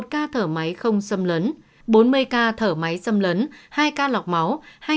một ca thở máy không xâm lấn bốn mươi ca thở máy xâm lấn hai ca lọc máu